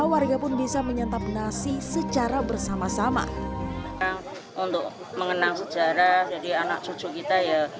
warga pun bisa menyantap nasi secara bersama sama untuk mengenang sejarah jadi anak cucu kita ya